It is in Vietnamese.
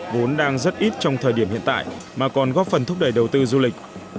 vốn đang rất ít trong thời điểm hiện tại mà còn góp phần thúc đẩy đầu tư du lịch